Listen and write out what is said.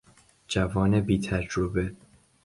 جوان بیتجربه